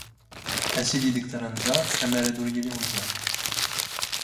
ⴰⵙⵉ ⴷⵉⴷⴽ ⵜⴰⵔⴰⵏⵥⴰⵕ ⴰⵎⴰⵔ ⴰⴷ ⵓⵔ ⵢⵉⵍⵉ ⵓⵏⵥⴰⵕ.